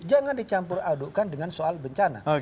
jangan dicampur adukkan dengan soal bencana